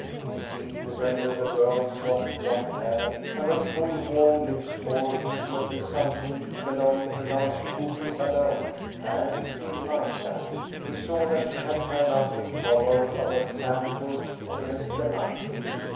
It seemed to render the girl's soft blond hair and her full warm lips more intimately something belonging to Lance Cooper alone and he liked that. He saw that she had turned up the collar of her tan coat against the night wind.